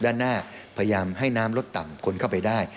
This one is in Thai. ด้านหน้าพยายามให้น้ำลดต่ำคนเข้าไปได้